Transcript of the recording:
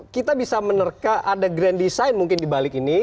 kita bisa menerka ada grand design mungkin dibalik ini